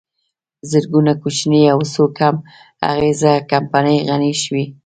زرګونه کوچنۍ او یوڅو کم اغېزه کمپنۍ غني شوې